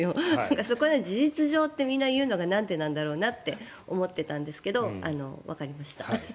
そこで事実上というのがなんでなんだろうなと思っていたんですがわかりました。